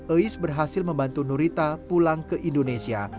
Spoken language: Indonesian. ais berhasil membantu nurita pulang ke indonesia